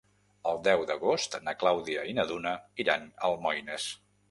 El deu d'agost na Clàudia i na Duna iran a Almoines.